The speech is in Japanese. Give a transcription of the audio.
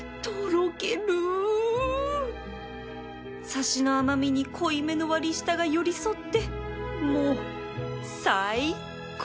さしの甘味に濃いめの割り下が寄り添ってもう最高！